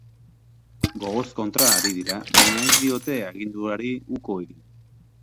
Gogoz kontra ari dira, baina ezin diote aginduari uko egin.